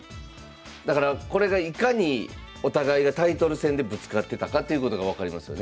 だからこれがいかにお互いがタイトル戦でぶつかってたかということが分かりますよね。